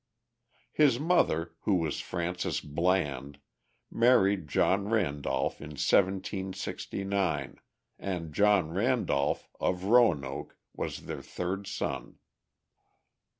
His mother, who was Frances Bland, married John Randolph in 1769, and John Randolph, of Roanoke, was their third son.